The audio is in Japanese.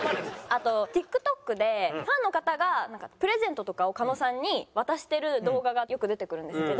あとＴｉｋＴｏｋでファンの方がプレゼントとかを狩野さんに渡してる動画がよく出てくるんですけど